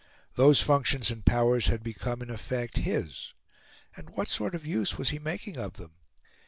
Those functions and powers had become, in effect, his; and what sort of use was he making of them?